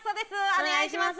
お願いします。